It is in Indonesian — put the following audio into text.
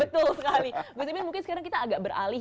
betul sekali gus imin mungkin sekarang kita agak beralih